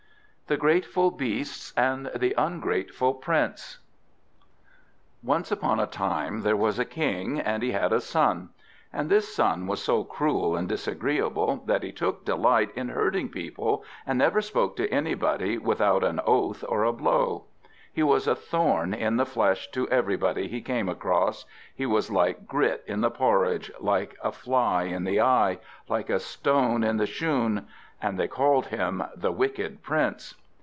THE GRATEFUL BEASTS AND THE UNGRATEFUL PRINCE Once upon a time there was a King, and he had a son. And this son was so cruel and disagreeable, that he took a delight in hurting people, and never spoke to anybody without an oath or a blow. He was a thorn in the flesh to everybody he came across; he was like grit in the porridge, like a fly in the eye, like a stone in the shoon. And they called him the Wicked Prince.